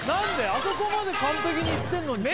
あそこまで完璧にいってんのにさ